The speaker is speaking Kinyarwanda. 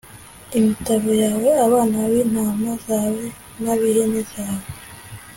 imitavu yawe, abana b’intama zawe n’ab’ihene zawe. “